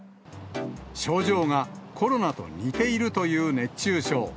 症状がコロナと似ているという熱中症。